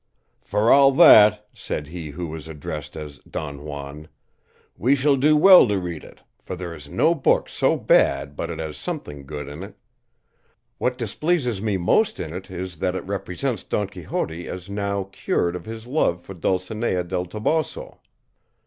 "For all that," said he who was addressed as Don Juan, "we shall do well to read it, for there is no book so bad but it has something good in it. What displeases me most in it is that it represents Don Quixote as now cured of his love for Dulcinea del Toboso."